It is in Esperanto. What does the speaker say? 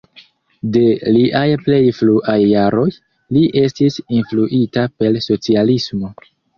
De liaj plej fruaj jaroj, li estis influita per socialismo.